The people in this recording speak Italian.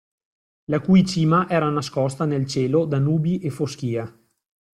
La cui cima era nascosta nel cielo da nubi e foschia.